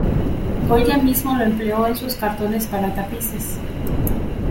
Goya mismo lo empleó en sus cartones para tapices.